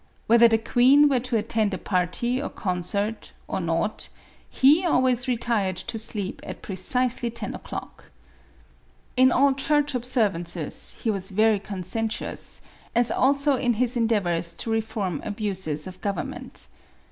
Whether the queen were to attend a party or concert, or not, he always retired to sleep at precisely ten o'clock. In all church observances, he was very conscientious, as also in his endeavors to re form abuses of government.